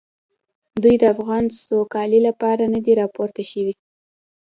دوی د افغان سوکالۍ لپاره نه دي راپورته شوي.